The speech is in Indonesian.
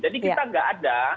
jadi kita nggak ada